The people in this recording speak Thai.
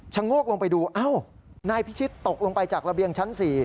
โงกลงไปดูเอ้านายพิชิตตกลงไปจากระเบียงชั้น๔